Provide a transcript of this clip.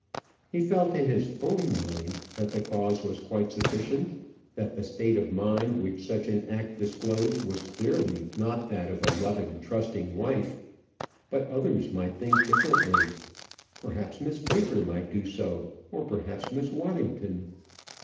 He felt in his own mind that the cause was quite sufficient; that the state of mind which such an act disclosed was clearly not that of a loving, trusting wife. But others might think differently: perhaps Miss Baker might do so; or perhaps Miss Waddington.